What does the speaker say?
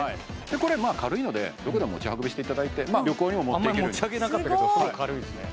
これまあ軽いのでどこでも持ち運びしていただいて旅行にも持っていけるんであまり持ち上げなかったけどすごい軽いですね